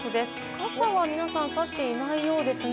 傘は皆さん、さしていないようですね。